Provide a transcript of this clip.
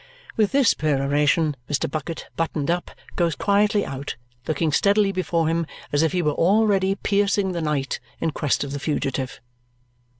With this peroration, Mr. Bucket, buttoned up, goes quietly out, looking steadily before him as if he were already piercing the night in quest of the fugitive.